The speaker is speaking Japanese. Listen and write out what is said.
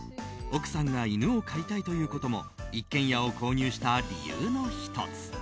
奥さんが犬を飼いたいということも一軒家を購入した理由の１つ。